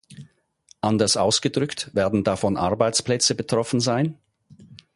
Anders ausgedrückt, werden davon Arbeitsplätze betroffen sein?